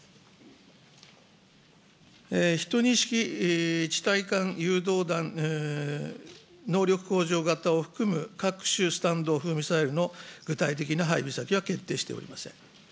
１２式地対艦誘導弾能力向上型を含む各種スタンド・オフ・ミサイルの具体的な配備先は決定しておりません。